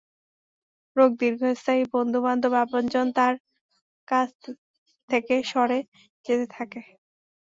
রোগ দীর্ঘ স্থায়ী হওয়ায় বন্ধু-বান্ধব, আপনজন তার কাছ থেকে সরে যেতে থাকে।